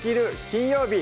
金曜日」